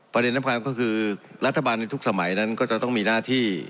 ประเด็นสำคัญก็คือรัฐบาลในทุกสมัยนั้นก็จะต้องมีหน้าที่